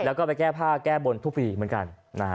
แล้วก็ไปแก้ผ้าแก้บนทุกปีเหมือนกัน